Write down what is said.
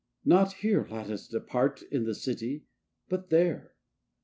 not here let us part, in the city, but there!